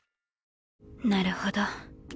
なるほど。